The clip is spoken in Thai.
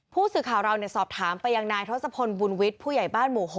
ผู้สื่อข่าวเราสอบถามไปยังนายทศพลบุญวิทย์ผู้ใหญ่บ้านหมู่๖